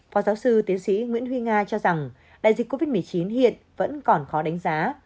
phó giáo sư tiến sĩ nguyễn huy nga cho rằng đại dịch covid một mươi chín hiện vẫn còn khó đánh giá